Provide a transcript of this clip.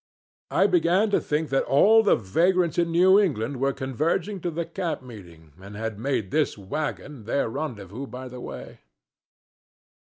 I began to think that all the vagrants in New England were converging to the camp meeting and had made this wagon, their rendezvous by the way.